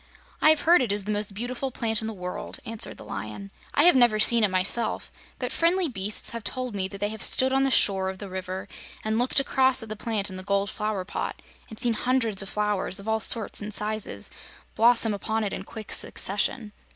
"I have heard it is the most beautiful plant in the world," answered the Lion. "I have never seen it myself, but friendly beasts have told me that they have stood on the shore of the river and looked across at the plant in the gold flower pot and seen hundreds of flowers, of all sorts and sizes, blossom upon it in quick succession.